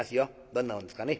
どんなもんですかね。